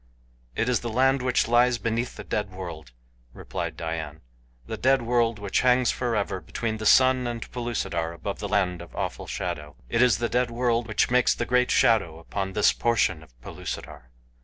"It is the land which lies beneath the Dead World," replied Dian; "the Dead World which hangs forever between the sun and Pellucidar above the Land of Awful Shadow. It is the Dead World which makes the great shadow upon this portion of Pellucidar."